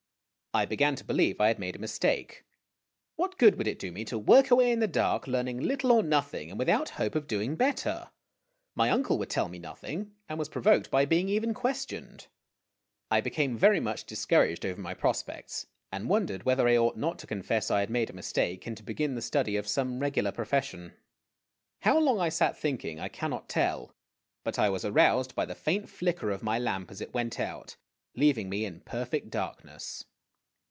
I began to believe I had made a mistake. What good would it do me to work away in the dark, learning little or nothing, and with out hope of doing better ? My uncle would tell me nothing, and was provoked by being even questioned. I became very much discouraged over my prospects, and won dered whether I ought not to confess I had made a mistake, and to begin the study of some regular profession. How long I sat thinking, I cannot tell ; but I was aroused by the faint flicker of my lamp as it went out, leaving me in perfect darkness.